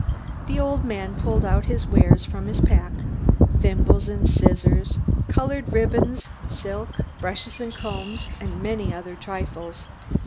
The old man pulled out his wares from his pack; thimbles and scissors, coloured ribbons, silks, brushes and combs, and many other trifles.